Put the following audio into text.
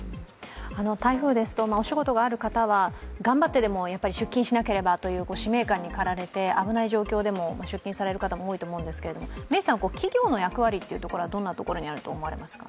台風ですとお仕事のある方は頑張ってでも出勤しなければと使命感に駆られて危ない状況でも出勤される方が多いと思いますけどメイさん、企業の役割はどんなところにあると思いますか。